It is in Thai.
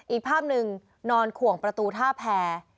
อีกภาพหนึ่งนอนข่วงประตูท่าแพร